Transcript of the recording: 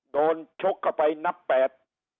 ชกเข้าไปนับแปด